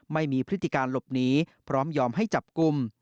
พฤติการหลบหนีพร้อมยอมให้จับกลุ่ม